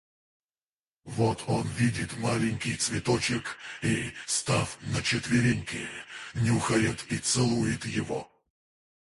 Вот он видит маленький цветочек и, став на четвереньки, нюхает и целует его.